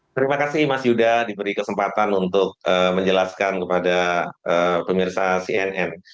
terima kasih mas yuda diberi kesempatan untuk menjelaskan kepada pemirsa cnn